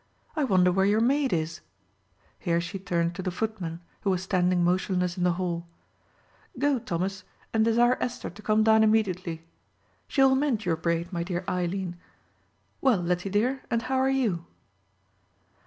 I wonder where your maid is?" Here she turned to the footman, who was standing motionless in the hall. "Go, Thomas, and desire Esther to come down immediately.—She will mend your braid, my dear Eileen. Well, Lettie, dear, and how are you?"